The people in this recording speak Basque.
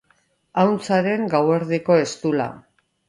Ahuntzaren gauerdiko eztula